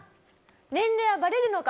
「年齢はバレるのか！？